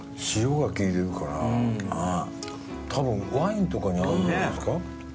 塩が利いてるからたぶんワインとかに合うんじゃないですか？